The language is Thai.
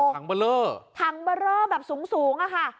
ถังเบรอสูงระค่ะ